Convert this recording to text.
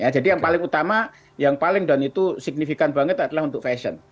jadi yang paling utama yang paling dan itu signifikan banget adalah untuk fashion